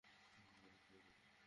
ভুল বলেছে ও।